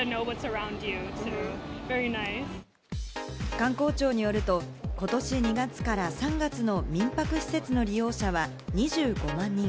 観光庁によると、ことし２月から３月の民泊施設の利用者は、２５万人。